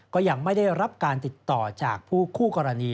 ก็ยังไม่ได้รับการติดต่อจากคู่กรณี